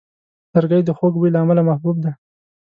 لرګی د خوږ بوی له امله محبوب دی.